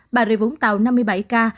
bà rịa vũng tàu năm mươi bảy ca